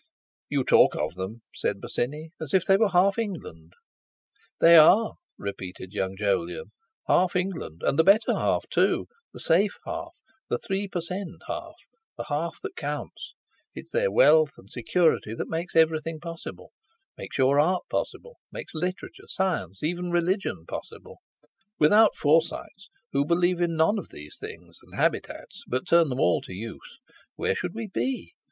"You talk of them," said Bosinney, "as if they were half England." "They are," repeated young Jolyon, "half England, and the better half, too, the safe half, the three per cent. half, the half that counts. It's their wealth and security that makes everything possible; makes your art possible, makes literature, science, even religion, possible. Without Forsytes, who believe in none of these things, and habitats but turn them all to use, where should we be?